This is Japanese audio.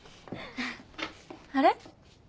あれ？